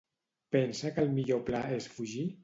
Pensa que el millor pla és fugir?